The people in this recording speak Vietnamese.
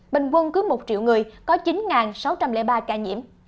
bình quân cứ một triệu người có chín sáu trăm linh ba ca nhiễm